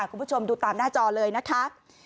คุณผู้ชมดูตามหน้าจอเลยนะคะ